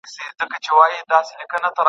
ما د الوداع په شپه د ګلو غېږ ته واستوه